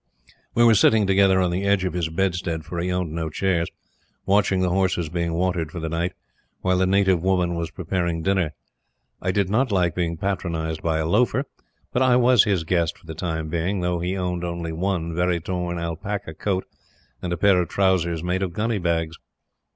We were sitting together on the edge of his bedstead, for he owned no chairs, watching the horses being watered for the night, while the native woman was preparing dinner. I did not like being patronized by a loafer, but I was his guest for the time being, though he owned only one very torn alpaca coat and a pair of trousers made out of gunny bags.